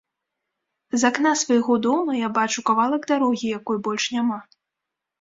З акна свайго дома я бачу кавалак дарогі, якой больш няма.